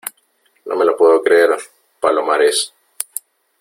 no me lo puedo creer , Palomares .